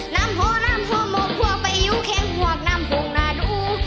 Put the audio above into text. นำหัวนำหัวหมอกหัวไปอยู่แคงหัวกนำห่วงนาดู